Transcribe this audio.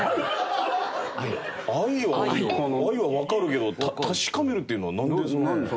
愛を愛はわかるけど確かめるっていうのはなんでそんな。